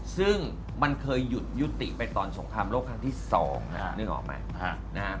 ซึ่งมันเคยหยุดยุติไปตอนสงครามโลกครั้งที่๒นึกออกไหม